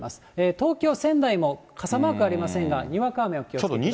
東京、仙台も傘マークありませんが、にわか雨、お気をつけください。